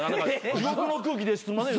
地獄の空気ですんません